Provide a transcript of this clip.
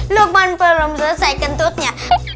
lukman belum selesai santuk nya